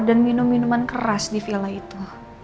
dan minum minuman keras di vila itu